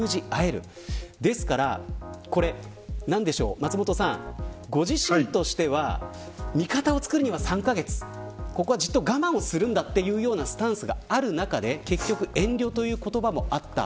松本さん、ご自身としては味方をつくるには３カ月ここはじっと我慢をするんだというスタンスがある中で結局遠慮という言葉もあった。